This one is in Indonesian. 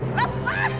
lo harus masuk